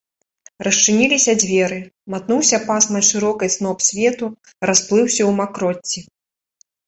Расчыніліся дзверы, матнуўся пасмай шырокай сноп свету, расплыўся ў макроцці.